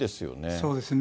そうですね。